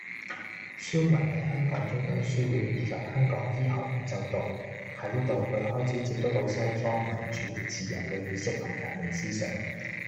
孫文喺香港中央書院以及香港醫學院就讀，喺呢度佢開始接觸到西方民主、自由嘅意識同革命思想